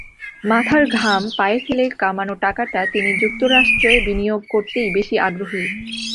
মাথার ঘাম পায়ে ফেলে কামানো টাকাটা তিনি যুক্তরাষ্ট্রে বিনিয়োগ করতেই বেশি আগ্রহী।